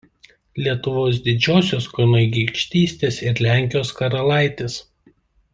Lietuvos Didžiosios Kunigaikštystės ir Lenkijos karalaitis.